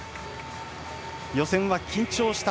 予選は緊張した。